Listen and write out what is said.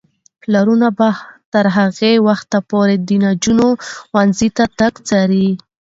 پلرونه به تر هغه وخته پورې د نجونو ښوونځي ته تګ څاري.